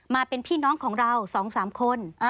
มาเป็นพี่น้องของเราสองสามคน